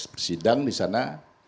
bersidang di sana